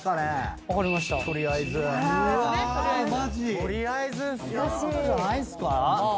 取りあえずそういうことじゃないんすか。